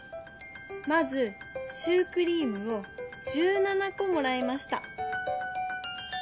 まずシュークリームを１７こもらいました。